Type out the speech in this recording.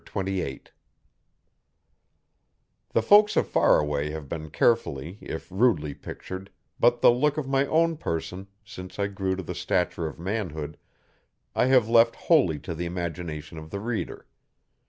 Chapter 28 The folks of Faraway have been carefully if rudely pictured, but the look of my own person, since I grew to the stature of manhood, I have left wholly to the imagination of the reader.